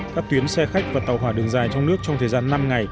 các tuyến xe khách và tàu hỏa đường dài trong nước trong thời gian năm ngày